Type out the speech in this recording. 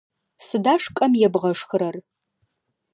Сыда шкӏэм ебгъэшхырэр?